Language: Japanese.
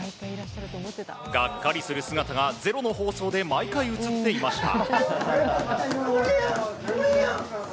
がっかりする姿が「ｚｅｒｏ」の放送で毎回映っていました。